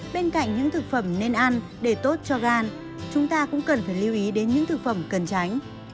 bên cạnh những thực phẩm nên ăn để tốt cho gan chúng ta cũng cần phải lưu ý đến những thực phẩm cần tránh